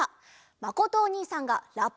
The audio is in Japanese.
まことおにいさんがラッパ！？